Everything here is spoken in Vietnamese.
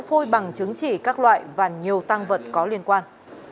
phôi bằng chứng chỉ các loại và nhiều tăng vật có liên quan